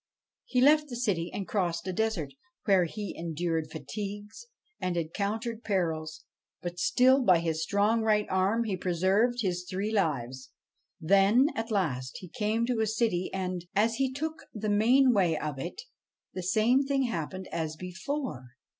He left the city and crossed a desert, where he endured fatigues and encountered perils ; but still, by his strong right arm, he pre served his three lives. Then, at last, he came to a city ; and, as he took the mainway of it, the same thing happened as before.